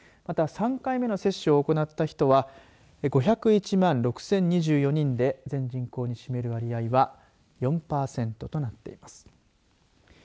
また、３回目の接種を行った人は５０１万６０２４人で全人口に占める割合は４パーセントとなっています。